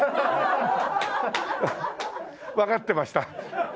わかってました。